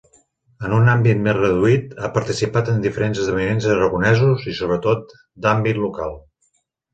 En un àmbit més reduït ha participat en diferents esdeveniments aragonesos, i sobretot, d'àmbit local.